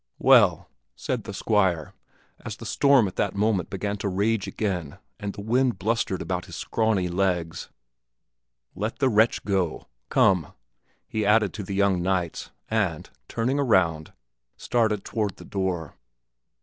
"Well!" said the Squire, as the storm at that moment began to rage again and the wind blustered about his scrawny legs; "let the wretch go. Come!" he added to the young knights, and, turning around, started toward the door.